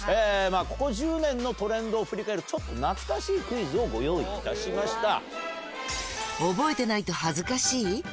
ここ１０年のトレンドを振り返るちょっと懐かしいクイズをご用意いたしました。